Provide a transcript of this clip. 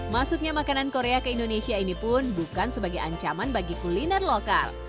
masuknya makanan korea ke indonesia ini pun bukan sebagai ancaman bagi kuliner lokal